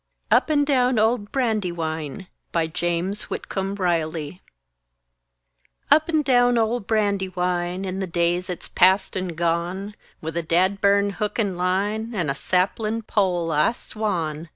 UP AND DOWN OLD BRANDYWINE BY JAMES WHITCOMB RILEY Up and down old Brandywine, In the days 'at's past and gone With a dad burn hook and line And a saplin' pole i swawn!